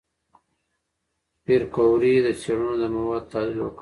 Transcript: پېیر کوري د څېړنو د موادو تحلیل وکړ.